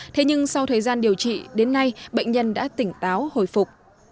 thế nhưng sau thời gian điều trị đến nay bệnh nhân đã tỉnh táo hồi phục